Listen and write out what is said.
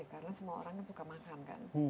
karena semua orang suka makan kan